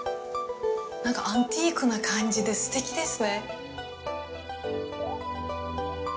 なんかアンティークな感じですてきですね。